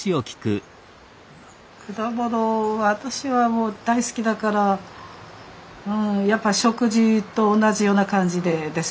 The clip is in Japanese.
果物は私はもう大好きだからうんやっぱ食事と同じような感じでですね